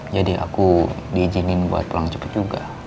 jadi aku diizinin buat pulang cepet juga